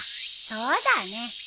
そうだね。